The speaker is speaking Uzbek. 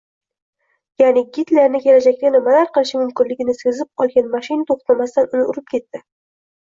Yaʼni Gitlerni kelajakda nimalar qilishi mumkinligini sezib qolgan mashina toʻxtamasdan uni urib ketdi.